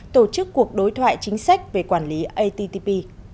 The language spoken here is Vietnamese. tổ chức cuộc đối thoại chính sách về quản lý attp